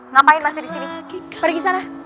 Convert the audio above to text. ngapain masih disini pergi sana